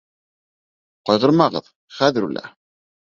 Ҡайғырмағыҙ, хәҙер үлә.